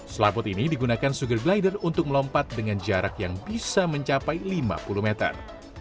selaput ini digunakan sugar glider untuk melompat dengan jarak yang bisa mencapai lima puluh meter